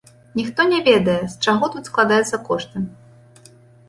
Ніхто не ведае, з чаго тут складаюцца кошты.